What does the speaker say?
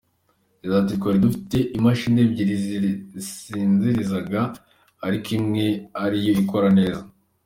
Yagize ati “Twari dufite imashini ebyiri zasinzirizaga ariko imwe ari yo ikora neza.